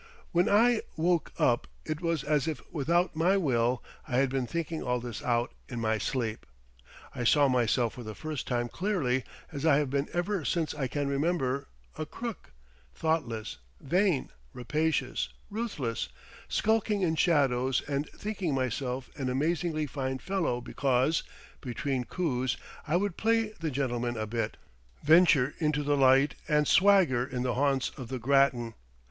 "When I woke up it was as if, without my will, I had been thinking all this out in my sleep. I saw myself for the first time clearly, as I have been ever since I can remember a crook, thoughtless, vain, rapacious, ruthless, skulking in shadows and thinking myself an amazingly fine fellow because, between coups, I would play the gentleman a bit, venture into the light and swagger in the haunts of the gratin!